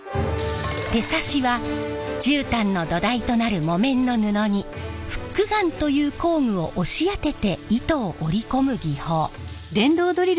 手刺しは絨毯の土台となる木綿の布にフックガンという工具を押し当てて糸を織り込む技法。